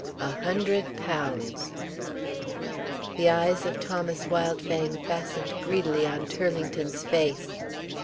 "A hundred pounds." The eyes of Thomas Wildfang fastened greedily on Turlington's face.